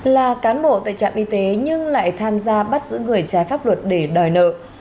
là cán bộ tại trạm y tế nhưng lại tham gia bắt giữ người trái pháp luật để đòi nợ